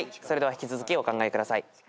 それでは引き続きお考えください。